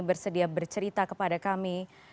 bersedia bercerita kepada kami